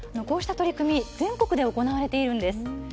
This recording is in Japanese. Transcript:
こうした取り組み全国で行われているんです。